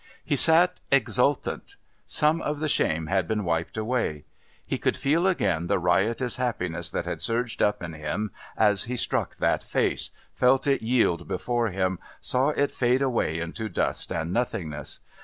He sat exultant. Some of the shame had been wiped away. He could feel again the riotous happiness that had surged up in him as he struck that face, felt it yield before him, saw it fade away into dust and nothingness.